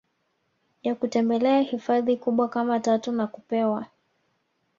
ya kutembelea hifadhi kubwa kama tatu nakupewa